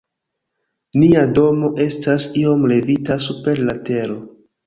Nia domo estas iom levita super la tero.